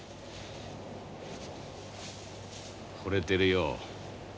ほれてるよ